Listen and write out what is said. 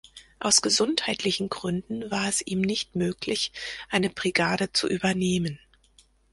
Aus gesundheitlichen Gründen war es ihm nicht möglich eine Brigade zu übernehmen.